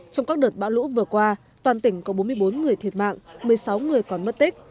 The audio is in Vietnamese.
trong các đợt bão lũ vừa qua toàn tỉnh có bốn mươi bốn người thiệt mạng một mươi sáu người còn mất tích